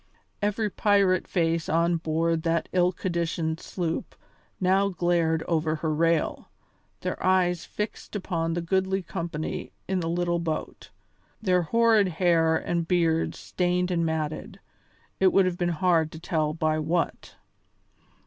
Every pirate face on board that ill conditioned sloop now glared over her rail, their eyes fixed upon the goodly company in the little boat, their horrid hair and beards stained and matted it would have been hard to tell by what.